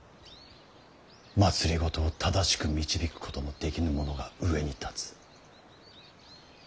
政を正しく導くことのできぬ者が上に立つ。